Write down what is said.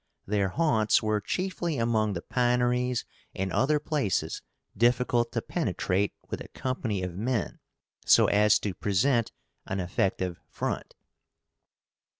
Their haunts were chiefly among the pineries and other places difficult to penetrate with a company of men so as to present an effective front.